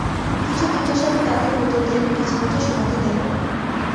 কিছু বিত্তশালী তাদের মৃতদের নিজ মাঠে সমাধি দেবে।